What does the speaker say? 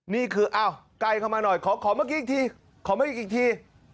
นี่คืออ้าวไกลเข้ามาหน่อยขอเมื่อกี้อีกที